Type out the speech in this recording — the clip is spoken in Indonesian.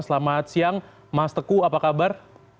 selamat siang mas teguh apa kabar